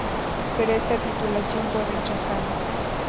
Pero esta titulación fue rechazada.